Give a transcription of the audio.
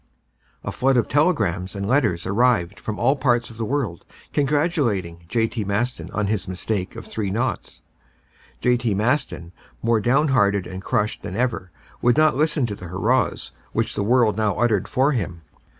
A flood of telegrams and letters arrived from all parts of the world congratulating J.T. Maston on his mistake of three naughts. J.T. Maston, more downhearted and crushed than ever, would not listen to the hurrahs which the world now uttered for him.